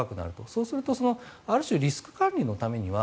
そうすると、ある種リスク管理のためには